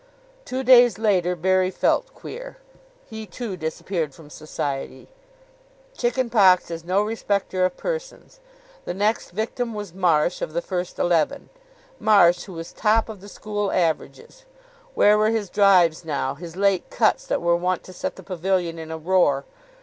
Two days later Barry felt queer. He, too, disappeared from Society. Chicken pox is no respecter of persons. The next victim was Marsh, of the first eleven. Marsh, who was top of the school averages. Where were his drives now, his late cuts that were wont to set the pavilion in a roar.